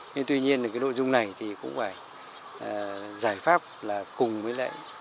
nhưng tuy nhiên cái nội dung này cũng phải giải pháp là cùng với lại